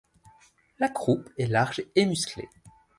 La croupe est large et musclée.